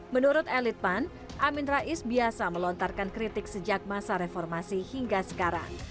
menurut elit pan amin rais biasa melontarkan kritik sejak masa reformasi hingga sekarang